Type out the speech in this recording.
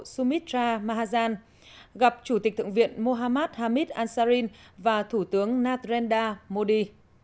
sumitra mahajan gặp chủ tịch thượng viện mohammad hamid ansarin và thủ tướng nathrenda modi